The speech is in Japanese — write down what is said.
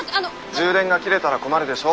充電が切れたら困るでしょ。